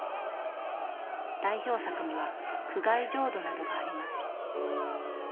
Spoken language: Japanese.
代表作には「苦海浄土」などがあります。